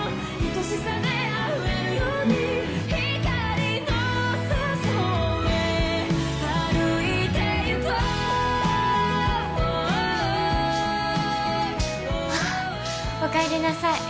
うんあっおかえりなさい